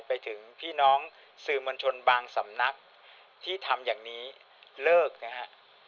ไปถึงพี่น้องสื่อมวลชนบางสำนักที่ทำอย่างนี้เลิกนะฮะ